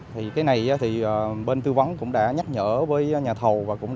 thì cái này thì bên tư vấn cũng đã nhắc nhở với nhà thầu